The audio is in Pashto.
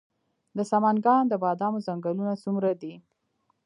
د سمنګان د بادامو ځنګلونه څومره دي؟